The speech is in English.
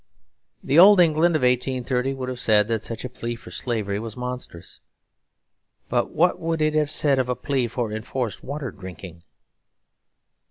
The old England of 1830 would have said that such a plea for slavery was monstrous; but what would it have said of a plea for enforced water drinking?